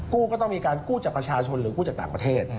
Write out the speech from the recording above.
ก็ต้องมีการกู้จากประชาชนหรือกู้จากต่างประเทศ